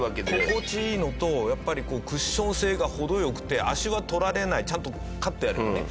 心地いいのとやっぱりこうクッション性が程良くて足はとられないちゃんと刈ってあればね